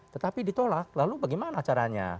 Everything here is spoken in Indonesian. tetapi ditolak lalu bagaimana caranya